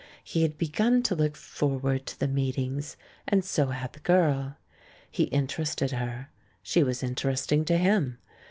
He had begun to look forward to the meet ings, and so had the girl. He interested her; she was interesting to him.